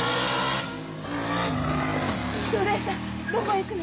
正太夫さんどこへ行くの？